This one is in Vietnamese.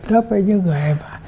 thấp với những người